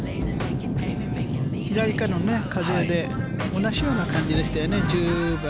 左からの風で同じような感じでしたよね。